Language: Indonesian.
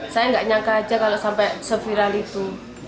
saya nggak nyangka aja kalau sampai se viral itu